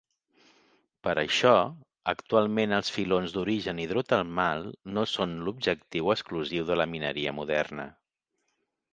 Per això, actualment els filons d'origen hidrotermal no són l'objectiu exclusiu de la mineria moderna.